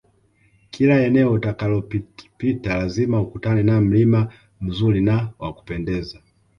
Kila eneo utakalopita lazima ukutane na mlima mzuri na wa kupendeza